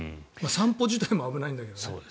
散歩自体も危ないんだけど。